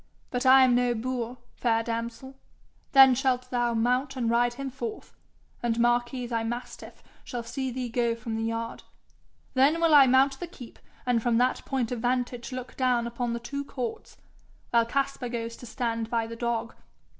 But I am no boor, fair damsel. Then shalt thou mount and ride him forth, and Marquis thy mastiff shall see thee go from the yard. Then will I mount the keep, and from that point of vantage look down upon the two courts, while Caspar goes to stand by thy dog.